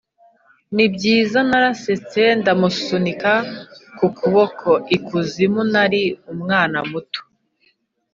nibyiza, narasetse ndamusunika ku kuboko; ikuzimu, nari umwana muto,